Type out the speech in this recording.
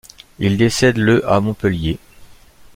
Il décède le à Montpellier.